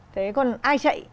thế còn ai chạy